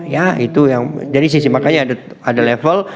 ya itu yang jadi sisi makanya ada level